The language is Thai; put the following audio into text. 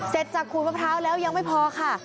เสร็จจากขูดมะพร้าวแล้วยังไม่พอค่ะ